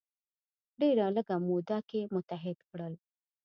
ډیره لږه موده کې متحد کړل.